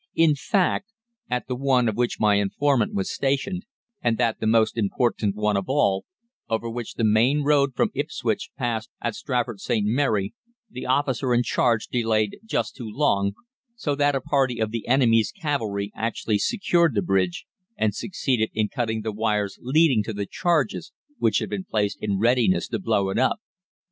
In fact, at the one at which my informant was stationed, and that the most important one of all, over which the main road from Ipswich passed at Stratford St. Mary, the officer in charge delayed just too long, so that a party of the enemy's cavalry actually secured the bridge, and succeeded in cutting the wires leading to the charges which had been placed in readiness to blow it up.